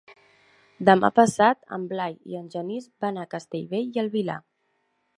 Demà passat en Blai i en Genís van a Castellbell i el Vilar.